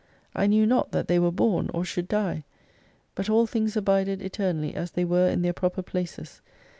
I knew not that they were born or should die ; But all things abided eternally as they were in tieir proper places.